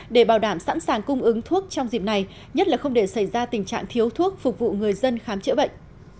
để bảo đảm sẵn sàng cung ứng thuốc trong dịp này nhất là không để xảy ra tình trạng thiếu thuốc phục vụ người dân khám chữa bệnh